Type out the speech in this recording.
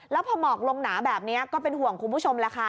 แล้วพอหมอกลงหนาแบบนี้ก็เป็นห่วงคุณผู้ชมแหละค่ะ